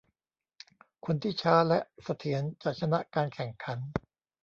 คนที่ช้าและเสถียรจะชนะการแข่งขัน